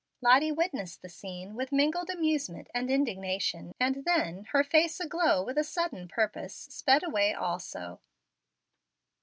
Lottie witnessed the scene with mingled amusement and indignation, and then, her face aglow with a sudden put pose, sped away also.